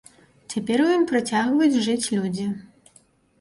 Цяпер у ім працягваюць жыць людзі.